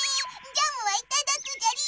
ジャムはいただくじゃり！